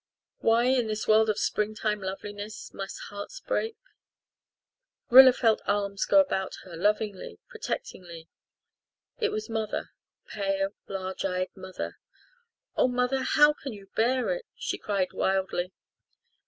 Why, in this world of springtime loveliness, must hearts break? Rilla felt arms go about her lovingly, protectingly. It was mother pale, large eyed mother. "Oh, mother, how can you bear it?" she cried wildly.